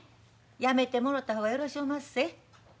やめてもろた方がよろしおまっせ。